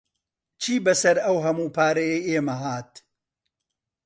چی بەسەر ئەو هەموو پارەیەی ئێمە هات؟